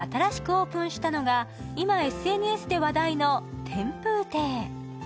こちらに昨年新しくオープンしたのが、今ＳＮＳで話題の天風邸。